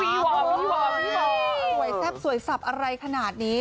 สวยแซ่บสวยสับอะไรขนาดนี้